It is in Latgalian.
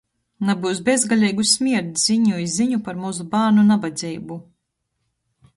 Nabyus bezgaleigu smierts ziņu i ziņu par mozu bārnu nabadzeibu.